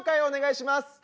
お願いします。